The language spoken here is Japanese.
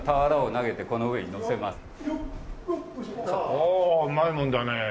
おおうまいもんだねえ。